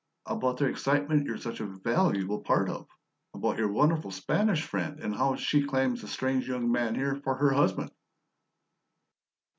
"About the excitement you're such a VALUABLE part of; about your wonderful Spanish friend and how she claims the strange young man here for her husband."